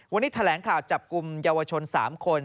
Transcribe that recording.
วันนี้แถลงข่าวจับกลุ่มเยาวชน๓คน